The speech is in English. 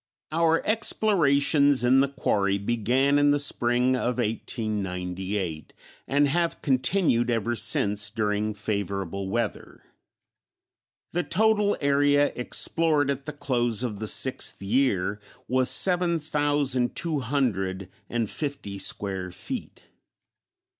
_ Our explorations in the quarry began in the spring of 1898, and have continued ever since during favorable weather. The total area explored at the close of the sixth year was seven thousand two hundred and fifty square feet.